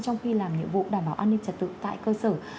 trong khi làm nhiệm vụ đảm bảo an ninh trật tự tại cơ sở